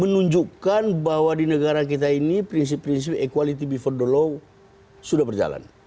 menunjukkan bahwa di negara kita ini prinsip prinsip equality before the law sudah berjalan